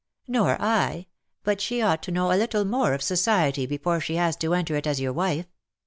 " Nor I. But she ought to know a little more of society before she has to enter it as your wife.